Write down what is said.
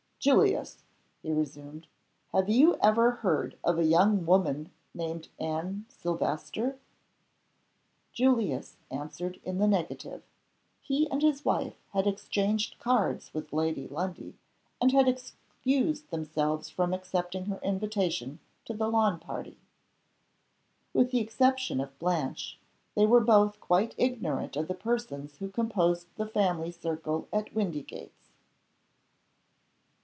"Julius!" he resumed, "have you ever heard of a young woman named Anne Silvester?" Julius answered in the negative. He and his wife had exchanged cards with Lady Lundie, and had excused themselves from accepting her invitation to the lawn party. With the exception of Blanche, they were both quite ignorant of the persons who composed the family circle at Windygates.